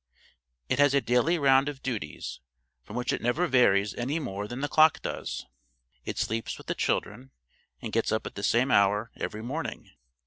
It has a daily round of duties, from which it never varies any more than the clock does. It sleeps with the children, and gets up at the same hour every morning.